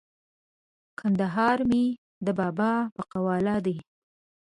کندهار مې د بابا په قواله دی!